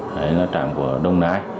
đấy là trạm của đông nai